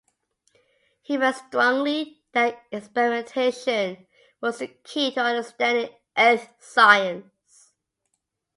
He felt strongly that experimentation was the key to understanding earth science.